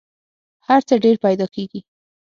هر څه ډېر پیدا کېږي .